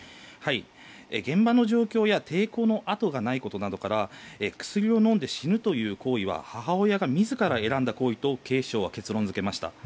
現場の状況や抵抗の痕がないことなどから薬を飲んで死ぬという行為は母親が自ら選んだ行為と警視庁は結論付けました。